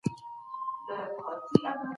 کار د کورنۍ د اقتصاد ملاتړ کوي.